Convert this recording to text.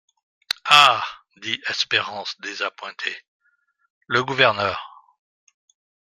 Ah ! dit Espérance désappointé, le gouverneur.